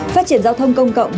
phát triển giao thông công cộng